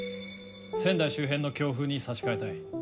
仙台周辺の強風に差し替えたい。